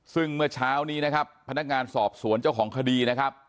ซึ่งเมื่อเช้านี้นะครับพนักงานสอบสวนเจ้าของคดีนะครับ